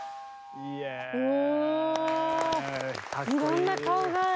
いろんな顔がある。